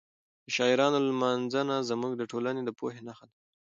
د شاعرانو لمانځنه زموږ د ټولنې د پوهې نښه ده.